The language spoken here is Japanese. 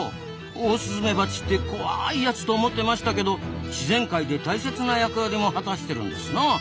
オオスズメバチって怖いやつと思ってましたけど自然界で大切な役割も果たしてるんですな。